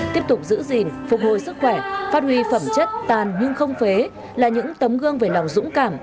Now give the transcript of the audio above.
tiếp tục giữ gìn phục hồi sức khỏe phát huy phẩm chất tàn nhưng không phế là những tấm gương về lòng dũng cảm